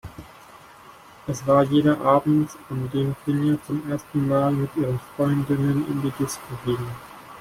Es war jener Abend, an dem Finja zum ersten Mal mit ihren Freundinnen in die Disco ging.